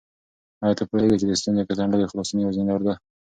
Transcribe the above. آیا ته پوهېږې چې د ستونزو څنډل د خلاصون یوازینۍ لاره ده؟